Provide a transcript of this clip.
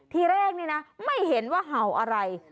ทีแรกนี่นะไม่เห็นว่าเห่าอะไร